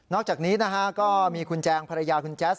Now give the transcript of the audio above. อกจากนี้นะฮะก็มีคุณแจงภรรยาคุณแจ๊ส